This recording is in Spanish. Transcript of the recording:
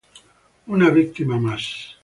Una víctima más.